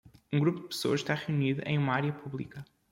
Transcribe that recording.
Um grupo de pessoas está reunido em uma área pública.